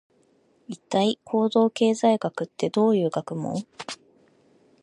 一体、行動経済学ってどういう学問？